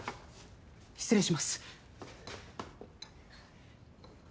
失礼します。